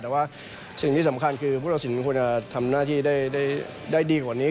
แต่สิ่งที่สำคัญคือต้องทำหน้าที่ได้ดีกว่านี้